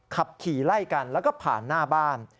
ขับขี่ไล่กันแล้วก็ผ่านหน้าบ้าน